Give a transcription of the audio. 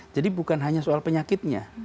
jadi bukan hanya soal penyakitnya